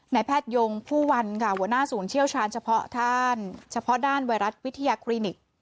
แพทยงผู้วันค่ะหัวหน้าศูนย์เชี่ยวชาญเฉพาะท่านเฉพาะด้านไวรัสวิทยาคลินิก